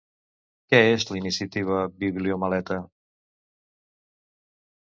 Què és la iniciativa Bibliomaleta?